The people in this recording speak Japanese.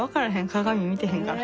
鏡見てへんから。